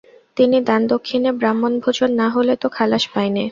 কিন্তু দান-দক্ষিনে ব্রাহ্মণভোজন না হলে তো খালাস পাই নে।